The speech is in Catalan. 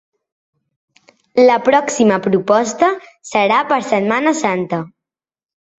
La pròxima proposta serà per Setmana Santa.